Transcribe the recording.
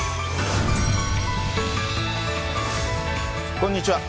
こんにちは。